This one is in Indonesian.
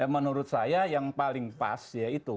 menurut saya yang paling pas yaitu